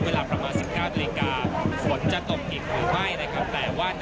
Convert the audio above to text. เวลาประมาศ๑๙นฝนจะตกอีกหรือไม่แต่ว่า